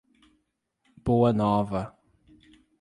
Boa Nova